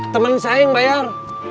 temen saya yang bayar